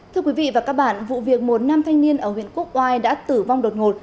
thưa quý vị và các bạn vụ việc một nam thanh niên ở huyện quốc oai đã tử vong đột ngột